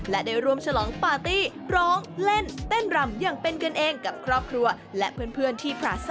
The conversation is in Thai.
และได้รวมฉลองปาร์ตี้ร้องเล่นเต้นรำอย่างเป็นกันเอง